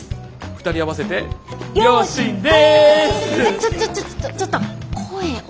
ちょちょちょちょっと声大きいよ。